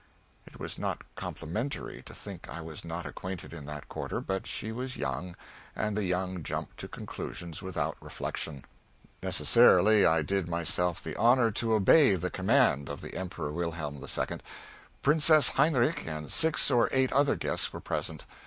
It was not complimentary to think I was not acquainted in that quarter, but she was young, and the young jump to conclusions without reflection. Necessarily, I did myself the honor to obey the command of the Emperor Wilhelm II. Prince Heinrich, and six or eight other guests were present.